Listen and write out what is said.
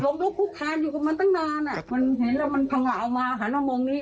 ลุกคุกคานอยู่กับมันตั้งนานอ่ะมันเห็นแล้วมันพังเหลามาหันมามองนี้